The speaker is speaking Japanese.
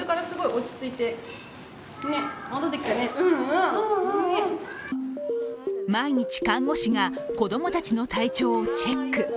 そこで毎日、看護師が子供達の体調をチェック。